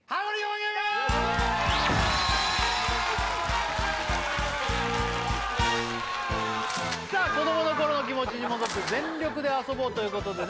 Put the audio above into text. ゲームさあ子供の頃の気持ちに戻って全力で遊ぼうということでね